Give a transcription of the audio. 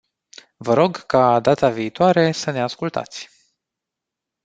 Vă rog ca, data viitoare, să ne ascultați.